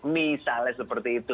misalnya seperti itu